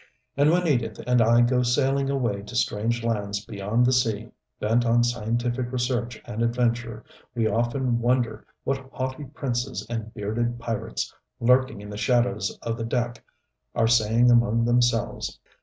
And when Edith and I go sailing away to strange lands beyond the sea, bent on scientific research and adventure, we often wonder what haughty princes and bearded pirates, lurking in the shadows of the deck are saying among themselves.